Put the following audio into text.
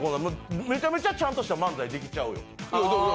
めちゃめちゃちゃんとした漫才できちゃうよ。